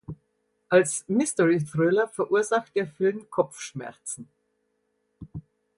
Als Mystery Thriller verursacht der Film Kopfschmerzen.